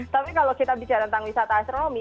tapi kalau kita bicara tentang wisata astromi